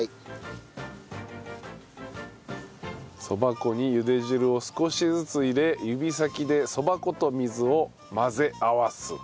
そば粉にゆで汁を少しずつ入れ指先でそば粉と水を混ぜ合わす。